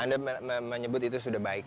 anda menyebut itu sudah baik